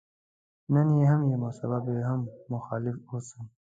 نن يې هم يم او سبا به هم مخالف واوسم.